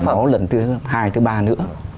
trẻ máu lần thứ hai thứ ba nữa